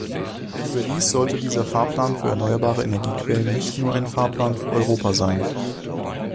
Überdies sollte dieser Fahrplan für erneuerbare Energiequellen nicht nur ein Fahrplan für Europa sein.